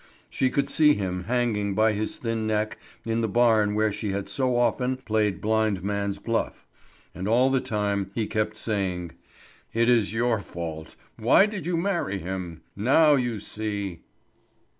She could see him hanging by his thin neck in the barn where she had so often played blind man's buff; and all the time he kept saying: "It is your fault! Why did you marry him? Now you see!"